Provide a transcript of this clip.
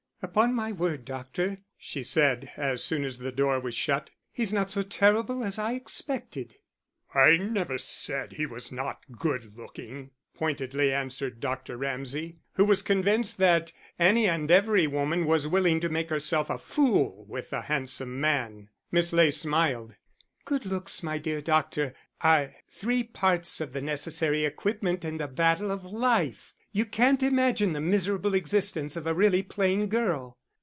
"Upon my word, doctor," she said, as soon as the door was shut, "he's not so terrible as I expected." "I never said he was not good looking," pointedly answered Dr. Ramsay, who was convinced that any and every woman was willing to make herself a fool with a handsome man. Miss Ley smiled. "Good looks, my dear doctor, are three parts of the necessary equipment in the battle of life. You can't imagine the miserable existence of a really plain girl."